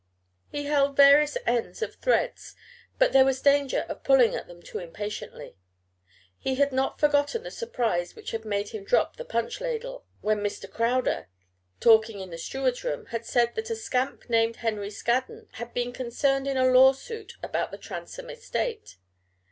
He held various ends of threads, but there was danger of pulling at them too impatiently. He had not forgotten the surprise which had made him drop the punch ladle, when Mr. Crowder, talking in the steward's room, had said that a scamp named Henry Scaddon had been concerned in a lawsuit about the Transome estate.